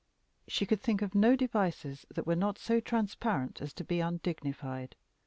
She could think of no devices that were not so transparent as to be undignified.